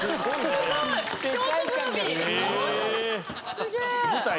すげえ。